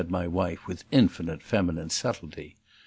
said my wife with infinite feminine subtlety.